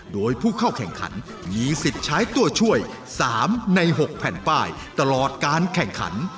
โดยผู้เข้าแข่งขันมีสิทธิ์ใช้ตัวช่วย๓ใน๖แผ่นป้ายตลอดการแข่งขัน